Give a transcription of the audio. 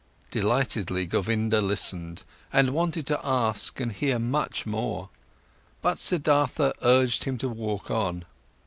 Delightedly, Govinda listened and wanted to ask and hear much more. But Siddhartha urged him to walk on.